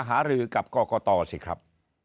หารือกับกรกตสิครับ